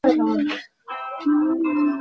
কিন্তু চ্যাপ্টা ও দেহ থেকে সামান্য পৃথক।